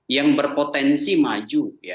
yang berpotensi maju